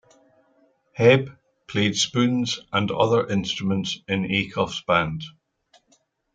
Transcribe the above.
Hebb played spoons and other instruments in Acuff's band.